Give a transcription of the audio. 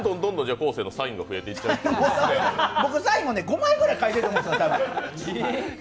僕サインも５枚ぐらい書いてるんです。